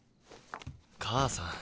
母さん。